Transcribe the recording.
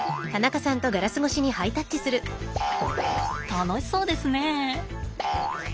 楽しそうですね。